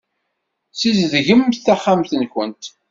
Sizedgemt taxxamt-nkent.